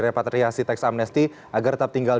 repatriasi tax amnesty agar tetap tinggal